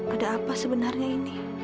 ada apa sebenarnya ini